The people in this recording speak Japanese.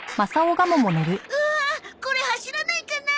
うわあこれ走らないかな？